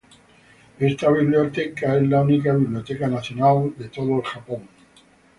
Esta biblioteca, es la única biblioteca nacional de todo Japón.